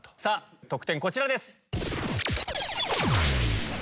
得点こちらです。